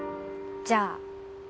じゃあ